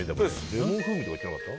レモン風味とか言ってなかった？